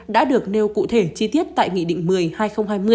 đã được nêu cụ thể chi tiết tại nghị định một mươi hai nghìn hai mươi